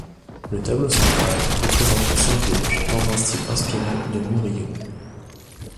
Le tableau central représente la Sainte Vierge dans un style inspiré de Murillo.